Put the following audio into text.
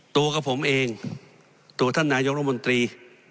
ตัวกับผมเองตัวท่านนายกรมนตรี